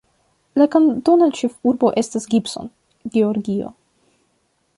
La kantona ĉefurbo estas Gibson, Georgio.